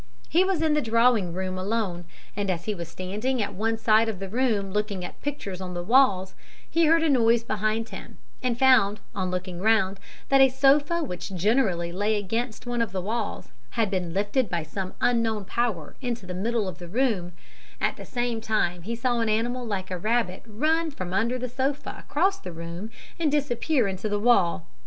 "He was in the drawing room alone, and as he was standing at one side of the room looking at a picture on the walls, he heard a noise behind him, and found, on looking round, that a sofa which generally lay against one of the walls had been lifted by some unknown power into the middle of the room, at the same time he saw an animal like a rabbit run from under the sofa across the room and disappear into the wall.